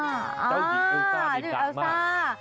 เจ้าหญิงเอลซ่าได้ดักมาก